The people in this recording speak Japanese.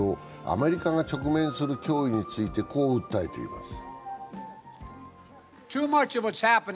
アメリカが直面する脅威についてこう訴えています。